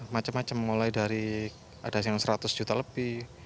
macem macem mulai dari ada yang seratus juta lebih